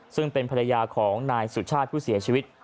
ซึ่งเป็นภรรยาของนายสุชาติผู้เสียชีวิต